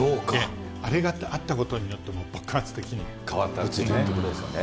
あれがあったことによって爆変わったってことですね。